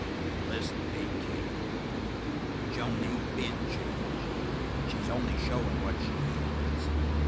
"Listen to me, Kate. Joan ain't been changed. She's only showin' what she is."